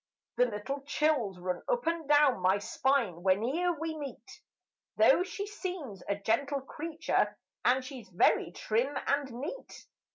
The little chills run up and down my spine when'er we meet, Though she seems a gentle creature and she's very trim and neat.